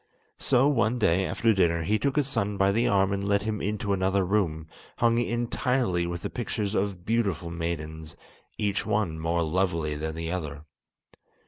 So one day, after dinner, he took his son by the arm and led him into another room, hung entirely with the pictures of beautiful maidens, each one more lovely than the other.